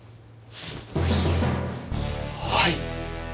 はい。